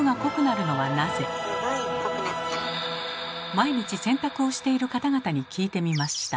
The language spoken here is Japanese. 毎日洗濯をしている方々に聞いてみました。